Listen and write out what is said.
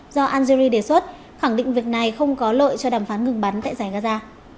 do algeria đề xuất khẳng định việc này không có lợi cho đàm phán ngừng bắn tại giải gaza